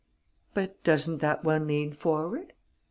"But doesn't that one lean forward?"